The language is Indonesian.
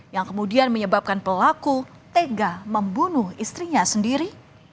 yang kemudian menyebabkan pelaku tega membunuh istrinya sendiri